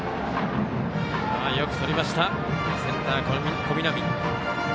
よくとりましたセンター、小南。